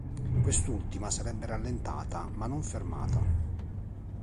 Quest'ultima sarebbe rallentata, ma non fermata.